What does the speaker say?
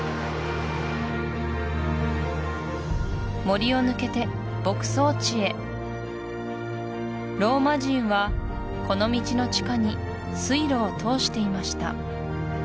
森を抜けて牧草地へローマ人はこの道の地下に水路を通していました